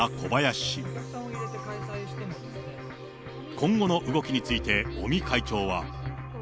今後の動きについて、尾身会長は。